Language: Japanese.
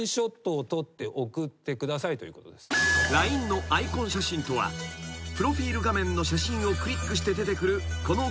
［ＬＩＮＥのアイコン写真とはプロフィル画面の写真をクリックして出てくるこの画面］